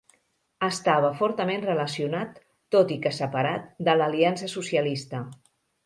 Estava fortament relacionat, tot i que separat, de l'Aliança Socialista.